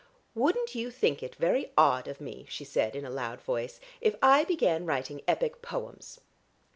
"Wouldn't you think it very odd of me," she said in a loud voice, "if I began writing epic poems?"